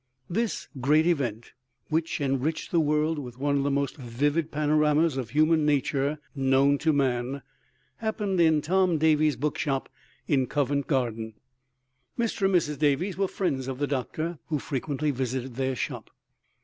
This great event, which enriched the world with one of the most vivid panoramas of human nature known to man, happened in Tom Davies's bookshop in Covent Garden. Mr. and Mrs. Davies were friends of the Doctor, who frequently visited their shop.